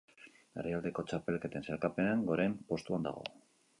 Herrialdeko txapelketen sailkapenean goren postuan dago.